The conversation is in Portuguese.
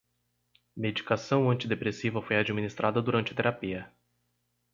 Medicação antidepressiva foi administrada durante a terapia